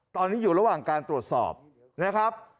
ตอนนี้อยู่ระหว่างการตรวจสอบนะครับ